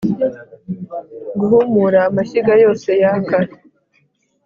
guhumura amashyiga yose yaka,